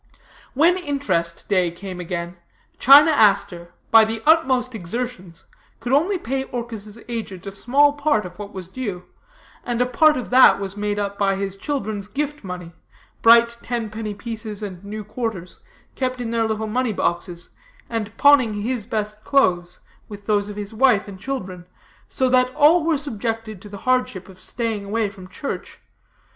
"When interest day came again, China Aster, by the utmost exertions, could only pay Orchis' agent a small part of what was due, and a part of that was made up by his children's gift money (bright tenpenny pieces and new quarters, kept in their little money boxes), and pawning his best clothes, with those of his wife and children, so that all were subjected to the hardship of staying away from church.